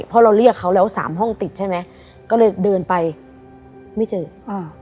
เพราะเราเรียกเขาแล้วสามห้องติดใช่ไหมก็เลยเดินไปไม่เจออ่า